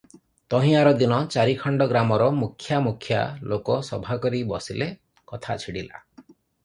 ତହିଁ ଆରଦିନ ଚାରିଖଣ୍ଡ ଗ୍ରାମର ମୁଖ୍ୟା ମୁଖ୍ୟା ଲୋକ ସଭା କରି ବସିଲେ, କଥା ଛିଡ଼ିଲା ।